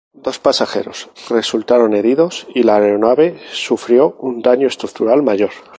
Dos pasajeros resultaron heridos y la aeronave sufrió un daño estructural mayor.